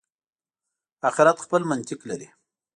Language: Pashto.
آخرت خپل منطق لري.